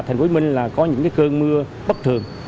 ngày này là tp hcm có những cơn mưa bất thường